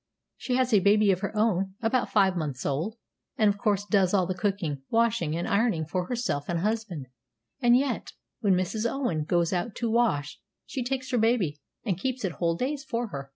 She has a baby of her own, about five months old, and of course does all the cooking, washing, and ironing for herself and husband; and yet, when Mrs. Owen goes out to wash, she takes her baby, and keeps it whole days for her."